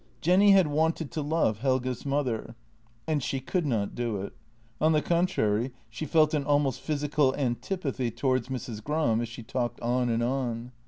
Jenny had wanted to love Helge's mother — and she could not do it; on the contrary, she felt an almost physical antipathy towards Mrs. Gram as she talked on and on.